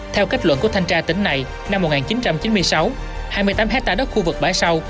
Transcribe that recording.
theo kết luận của thanh tra tỉnh này năm một nghìn chín trăm chín mươi sáu hai mươi tám hectare đất khu vực bãi sau